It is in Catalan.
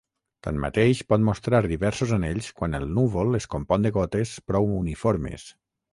Tanmateix, pot mostrar diversos anells quan el núvol es compon de gotes prou uniformes.